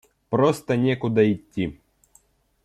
просто некуда идти.